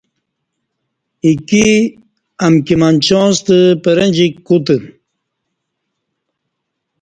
ایکی امکی مچاں ستہ پرݩجیک کوتہ